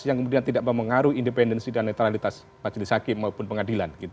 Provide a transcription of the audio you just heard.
yang kemudian tidak mempengaruhi independensi dan netralitas majelis hakim maupun pengadilan